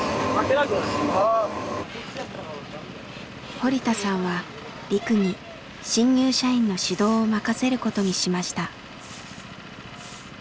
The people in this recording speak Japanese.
堀田さんはリクに新入社員の指導を任せることにしました。